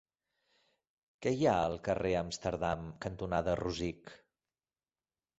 Què hi ha al carrer Amsterdam cantonada Rosic?